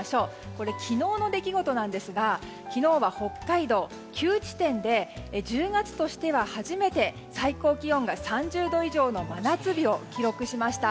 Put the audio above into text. これ、昨日の出来事なんですが昨日は北海道９地点で１０月としては初めて最高気温が３０度以上の真夏日を記録しました。